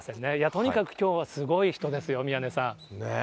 とにかくきょうはすごい人ですよ、宮根さん。